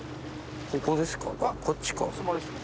ここですか？